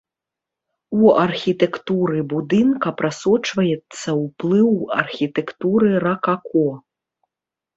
У архітэктуры будынка прасочваецца ўплыў архітэктуры ракако.